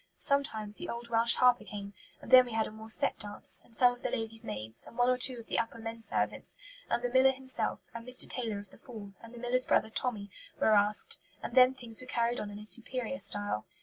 Sometimes the old Welsh harper came, and then we had a more set dance, and some of the ladies' maids, and one or two of the upper men servants, and the miller himself, and Mr. Taylor of the Fall, and the miller's brother Tommy, were asked, and then things were carried on in a superior style.